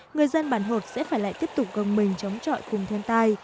người dân bản hột sẽ phải lại tiếp tục gần mình chống trọi cùng thêm tai